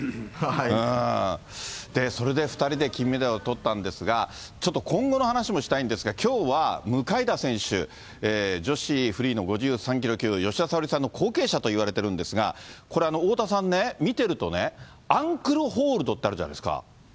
それで２人で金メダルをとったんですが、ちょっと今後の話もしたいんですが、きょうは向田選手、女子フリーの５３キロ級の吉田沙保里さんの後継者といわれてるんですが、これ、太田さんね、見てるとね、アンクルホールドってあるじゃないですか。